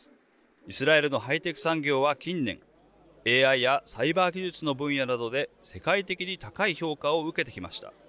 イスラエルのハイテク産業は近年ＡＩやサイバー技術の分野などで世界的に高い評価を受けてきました。